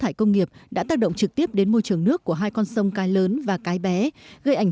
hải công nghiệp đã tác động trực tiếp đến môi trường nước của hai con sông cái lớn và cái bé gây ảnh